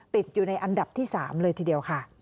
ติดอยู่ในอันดับที่๓เลยทีเดียวค่ะ